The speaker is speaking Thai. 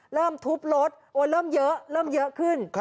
เริ่มทุบรถเริ่มเยอะเริ่มเยอะขึ้น